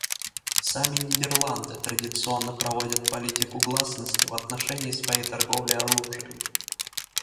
Сами Нидерланды традиционно проводят политику гласности в отношении своей торговли оружием.